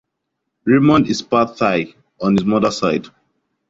Raymond is part-Thai on his mother's side.